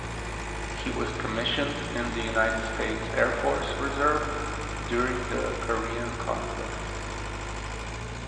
He was commissioned in the United States Air Force Reserve during the Korean Conflict.